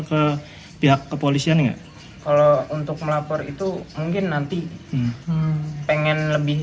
ke pihak kepolisian enggak kalau untuk melapor itu mungkin nanti pengen lebih